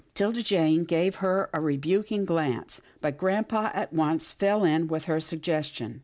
'Tilda Jane gave her a rebuking glance, but grampa at once fell in with her suggestion.